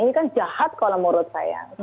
ini kan jahat kalau menurut saya